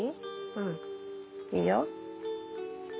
うんいいよ。